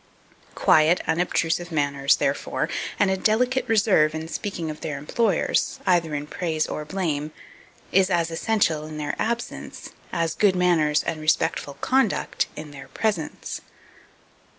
Quiet unobtrusive manners, therefore, and a delicate reserve in speaking of their employers, either in praise or blame, is as essential in their absence, as good manners and respectful conduct in their presence.